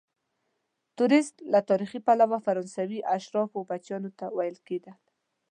توریست له تاریخي پلوه فرانسوي اشرافو بچیانو ته ویل کیدل.